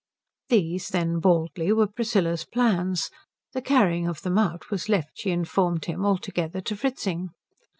These, then, baldly, were Priscilla's plans. The carrying of them out was left, she informed him, altogether to Fritzing.